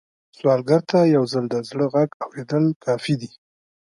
سوالګر ته یو ځل د زړه غږ اورېدل کافي دي